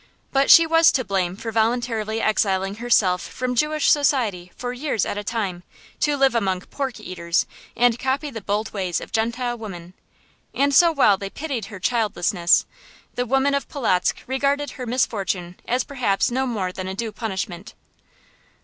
But she was to blame for voluntarily exiling herself from Jewish society for years at a time, to live among pork eaters, and copy the bold ways of Gentile women. And so while they pitied her childlessness, the women of Polotzk regarded her misfortune as perhaps no more than a due punishment.